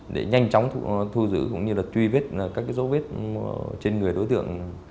để nhanh chóng thu giữ cũng như là truy vết các dấu vết trên người đối tượng